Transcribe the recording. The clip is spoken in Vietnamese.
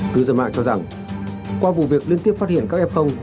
cư dân mạng cho rằng qua vụ việc liên tiếp phát hiện các f